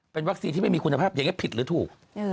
เป็นวั็กซีนที่ไม่ใช่มีคุณภาพอย่างเดี๋ยวผิดหรือถูก